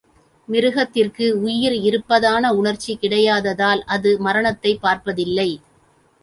மிருகத்திற்கு உயிர் இருப்பதான உணர்ச்சி கிடையாததால், அது மரணத்தைப் பார்ப்பதில்லை.